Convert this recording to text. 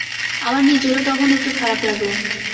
আমার নিজেরও তখন একটু খারাপ লাগল।